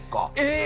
え！